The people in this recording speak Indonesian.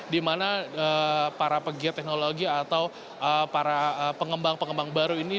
di mana para pegiat teknologi atau para pengembang pengembang baru ini